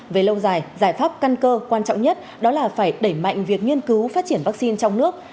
về lâu dài giải pháp căn cơ quan trọng nhất đó là phải đẩy mạnh việc nghiên cứu phát triển vaccine trong nước